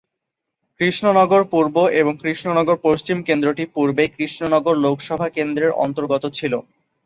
কৃষ্ণনগর পূর্ব এবং কৃষ্ণনগর পশ্চিম কেন্দ্রটি পূর্বে কৃষ্ণনগর লোকসভা কেন্দ্রের অন্তর্গত ছিল।